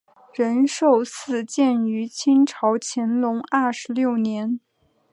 仁寿寺建于清朝乾隆二十六年。